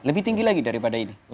lebih tinggi lagi daripada ini